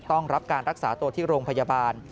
ต้องรับการรักษาตัวที่โรงพยาบาล